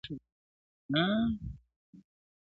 نجلۍ خواست مي درته کړی چي پر سر دي منګی مات سي-